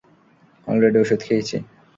Already ওষুধ খেয়েছি।